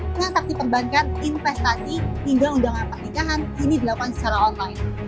transaksi perbankan investasi hingga undangan pernikahan ini dilakukan secara online